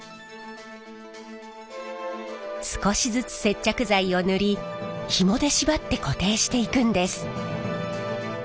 少しずつ接着剤を塗りひもで縛って固定していくんです。